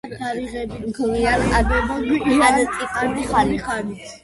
თარიღდება გვიანი ანტიკური ხანით.